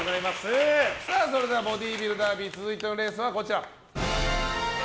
それではボディービルダービー続いてのレースはこちら。